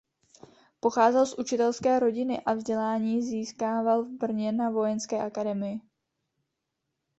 Pocházel z učitelské rodiny a vzdělání získával v Brně na Vojenské akademii.